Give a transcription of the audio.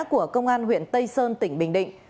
của công an huyện tây sơn tỉnh bình định